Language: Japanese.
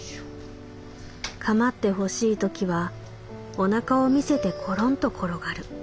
かまってほしいときはおなかを見せてころんと転がる。